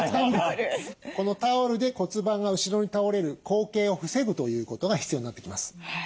このタオルで骨盤が後ろに倒れる後傾を防ぐということが必要になってきます。